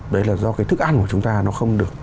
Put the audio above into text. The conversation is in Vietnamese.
đấy là do cái thức ăn của chúng ta nó không được